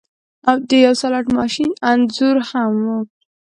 او د یو سلاټ ماشین انځور هم و